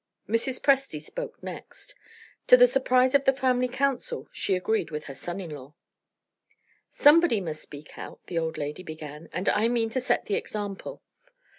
Mrs. Presty spoke next. To the surprise of the family council, she agreed with her son in law. "Somebody must speak out," the old lady began; "and I mean to set the example.